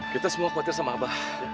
kita semua khawatir sama abah